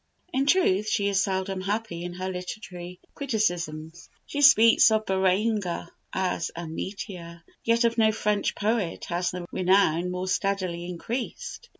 In truth, she is seldom happy in her literary criticisms. She speaks of Béranger as "a meteor," yet of no French poet has the renown more steadily increased.